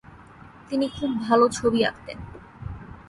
তিনি খুব ভালো ছবি আঁকতেন।